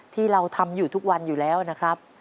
ที่เราทำอยู่ทุกวันอยู่แล้วนะครับ